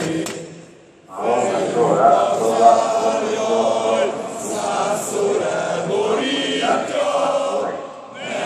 mu matora akorwa mu mucyo no mu bwisanzure, bugakorera abaturage